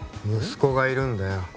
息子がいるんだよ